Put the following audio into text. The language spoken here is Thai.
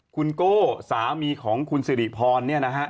คุณโก้สามีของคุณศิริพร